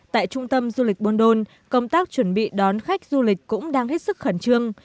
tại trung tâm du lịch buôn đôn công tác chuẩn bị đón khách du lịch cũng đang hết sức khẩn trương